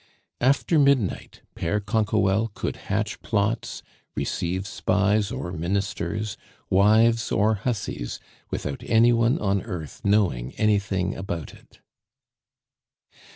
After midnight, Pere Canquoelle could hatch plots, receive spies or ministers, wives or hussies, without any one on earth knowing anything about it.